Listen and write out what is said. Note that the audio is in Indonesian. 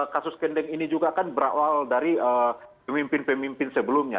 kasus kendeng ini juga kan berawal dari pemimpin pemimpin sebelumnya